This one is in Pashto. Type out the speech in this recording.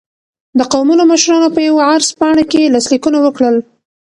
د قومونو مشرانو په یوه عرض پاڼه کې لاسلیکونه وکړل.